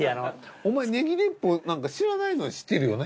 「お前ネギ鉄砲なんか知らないのに知ってるよね」。